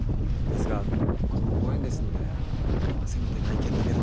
ですがこれもご縁ですのでせめて内見だけでも。